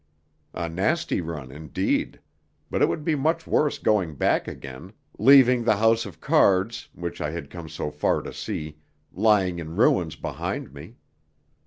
A nasty run, indeed! But it would be much worse going back again, leaving the house of cards, which I had come so far to see, lying in ruins behind me.